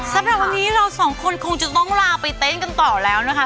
สำหรับวันนี้เราสองคนคงจะต้องลาไปเต้นกันต่อแล้วนะคะ